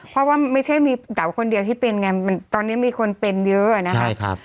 เพราะว่าไม่ใช่มีเต๋าคนเดียวที่เป็นไงตอนนี้มีคนเป็นเยอะนะครับ